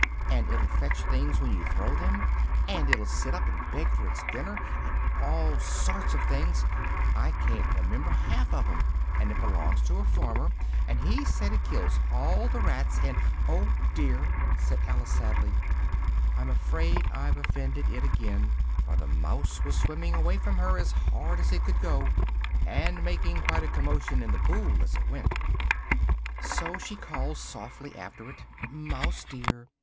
And it'll fetch things when you throw them, and it'll sit up and beg for its dinner, and all sorts of things I ca'n't remember half of them and it belongs to a farmer, and he says it kills all the rats and oh dear!" said Alice sadly, "I'm afraid I've offended it again!" for the mouse was swimming away from her as hard as it could go, and making quite a commotion in the pool as it went. So she called softly after it: "mouse dear!